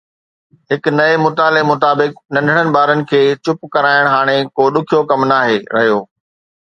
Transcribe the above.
هڪ نئين مطالعي مطابق، ننڍڙن ٻارن کي چپ ڪرائڻ هاڻي ڪو ڏکيو ڪم ناهي رهيو